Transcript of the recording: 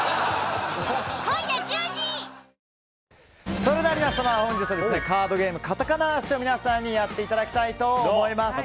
それでは皆様、本日はカードゲームカタカナーシを皆さんにやっていただきたいと思います。